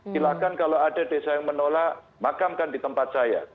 silahkan kalau ada desa yang menolak makamkan di tempat saya